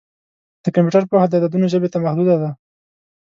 د کمپیوټر پوهه د عددونو ژبې ته محدوده ده.